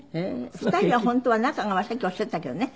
２人は本当は仲がさっきおっしゃったけどね。